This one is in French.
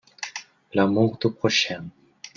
L'amour du prochain.